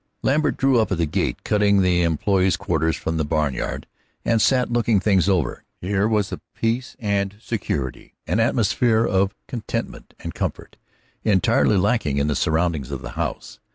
Lambert drew up at the gate cutting the employees' quarters from the barnyard, and sat looking things over. Here was a peace and security, an atmosphere of contentment and comfort, entirely lacking in the surroundings of the house.